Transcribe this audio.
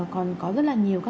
còn có rất nhiều